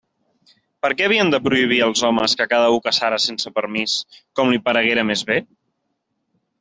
Per què havien de prohibir els homes que cada u caçara sense permís, com li pareguera més bé?